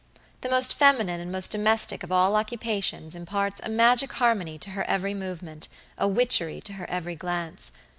The most feminine and most domestic of all occupations imparts a magic harmony to her every movement, a witchery to her every glance.